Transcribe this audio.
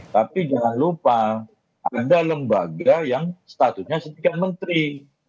tapi jangan lupa ada lembaga yang statusnya setingkat menteri